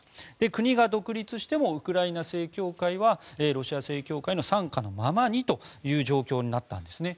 国が独立してもウクライナ正教会はロシア正教会の傘下のままにという状況になったんですね。